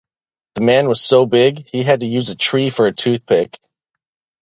The man was so big, he had to use a tree for a toothpick.